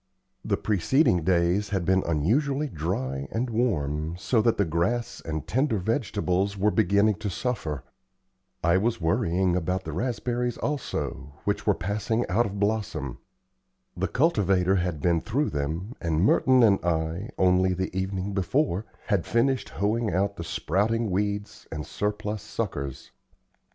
The preceding days had been unusually dry and warm, so that the grass and tender vegetables were beginning to suffer. I was worrying about the raspberries also, which were passing out of blossom. The cultivator had been through them, and Merton and I, only the evening before, had finished hoeing out the sprouting weeds and surplus suckers.